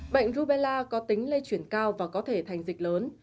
bệnh rubella có tính lây chuyển cao và có thể thành dịch lớn